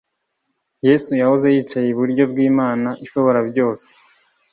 Yesu yahoze yicaye iburyo bw’Imana ishoborabyose